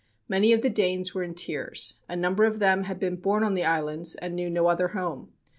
Many of the Danes were in tears. A number of them had been born on the islands and knew no other home.